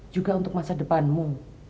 juga untuk masa depanmu